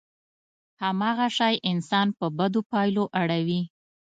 هماغه شی انسان په بدو پايلو اړوي.